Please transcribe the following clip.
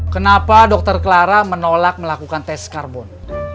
kenapa dokter clara menolak melakukan tes karbon